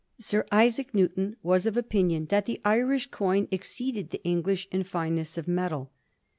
Sir Isaac Newton was of opinion that the Irish coin exceeded the English in fineness of metal.